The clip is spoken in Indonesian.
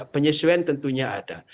penyesuaian tentunya ada